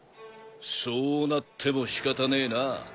そうなっても仕方ねえな。